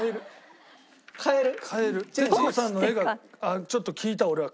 徹子さんの「え？」がちょっと効いた俺は。